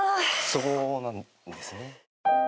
そうなんですよね。